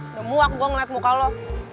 udah muak gue ngeliat muka lo